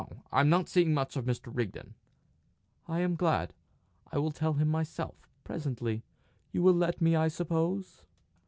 "No; I'm not seeing much of Mr. Rigden." "I am glad. I will tell him myself, presently. You will let me, I suppose?"